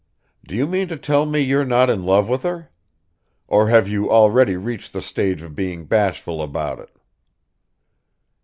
Do you mean to tell me you're not in love with her? Or have you already reached the stage of being bashful about it?"